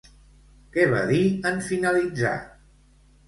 Què va dir en finalitzar?